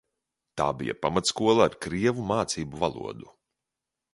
Tā bija pamatskola ar krievu mācību valodu.